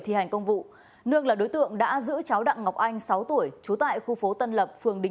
thi hành công vụ nương là đối tượng đã giữ cháu đặng ngọc anh sáu tuổi chú tại khu phố tân lập